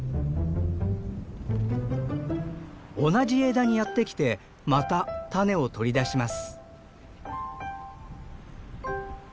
同じ枝にやって来てまた種を取り出します。